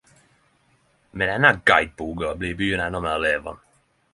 Med denne gaidboka blir byen endå meir levande.